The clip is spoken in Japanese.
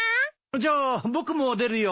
じゃあ僕も出るよ。